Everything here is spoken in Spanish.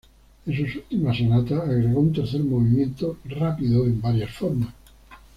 En sus últimas sonatas agregó un tercer movimiento rápido en varias formas.